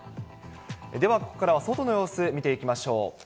では、ここからは外の様子、見ていきましょう。